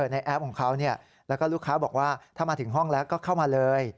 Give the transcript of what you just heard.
แอปของเขาแล้วก็ลูกค้าบอกว่าถ้ามาถึงห้องแล้วก็เข้ามาเลย